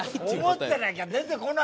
思ってなきゃ出てこないだろ！